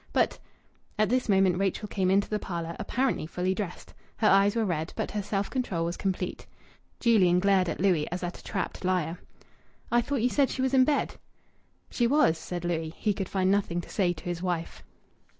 "But " At this moment Rachel came into the parlour, apparently fully dressed. Her eyes were red, but her self control was complete. Julian glared at Louis as at a trapped liar. "I thought ye said she was in bed." "She was," said Louis. He could find nothing to say to his wife.